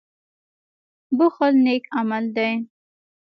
• بښل نېک عمل دی.